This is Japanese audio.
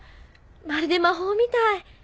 まるで魔法みたい。